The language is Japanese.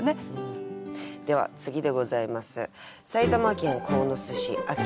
では次でございます。